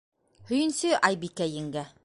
- Һөйөнсө, Айбикә еңгә!